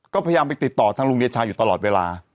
ก็พยายามไปติดต่อทางลุงเดชาอยู่ตลอดเวลา